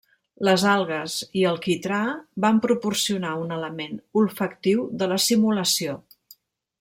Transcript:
Les algues i el quitrà van proporcionar un element olfactiu de la simulació.